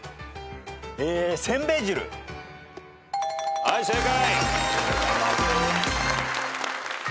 はい正解。